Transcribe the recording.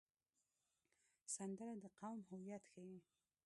سندره د قوم هویت ښيي